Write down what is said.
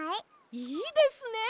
いいですねえ！